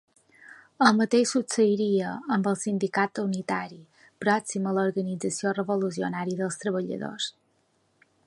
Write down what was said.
El mateix succeiria amb el Sindicat Unitari, pròxim a l'Organització Revolucionària dels Treballadors.